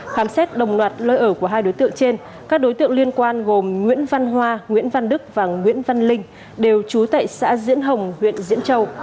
khám xét đồng loạt lơi ở của hai đối tượng trên các đối tượng liên quan gồm nguyễn văn hoa nguyễn văn đức và nguyễn văn linh đều trú tại xã diễn hồng huyện diễn châu